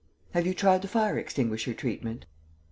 Have you tried the fire extinguisher treatment?"